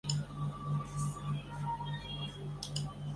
展品以古陶瓷为主。